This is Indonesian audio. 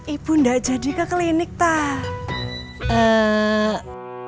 ibu gak jadi ke klinik tak